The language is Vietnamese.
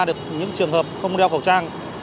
những trường hợp không đeo khẩu trang